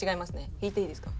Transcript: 引いていいですか？